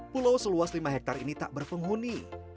pulau seluas lima hektare ini tak berpenghuni